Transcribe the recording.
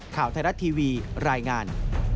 ข่าวไทยรัฐทีวีรายงาน